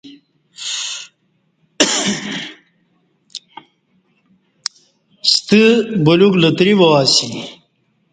ستہ بلیوک لتری وا اسی۔